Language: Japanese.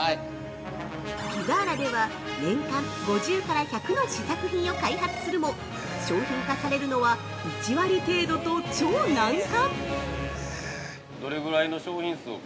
◆ピザーラでは年間５０１００の試作品を開発するも商品化されるのは１割程度と超難関！